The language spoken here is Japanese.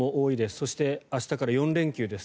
そして、明日から４連休です。